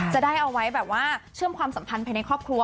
จะได้เอาไว้แบบว่าเชื่อมความสัมพันธ์ภายในครอบครัว